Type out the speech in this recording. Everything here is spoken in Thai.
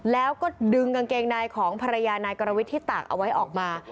แล้วก็ดึงกางเกงในของภรรยานายกรวิทย์ที่ตากเอาไว้ออกมา